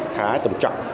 khá tầm trọng